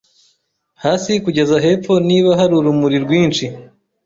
Hasi kugeza hepfo niba hari urumuri rwinshi